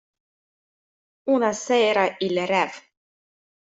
Una sera il rev.